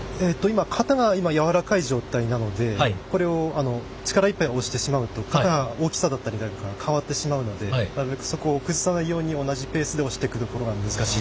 型が今やわらかい状態なのでこれを力いっぱい押してしまうと型の大きさだったりなんか変わってしまうのでなるべくそこを崩さないように同じペースで押していくところが難しい。